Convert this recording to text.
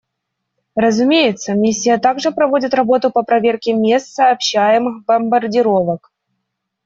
Разумеется, Миссия также проводит работу по проверке мест сообщаемых бомбардировок.